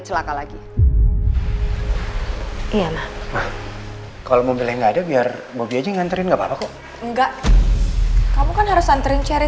selamat istirahat dewi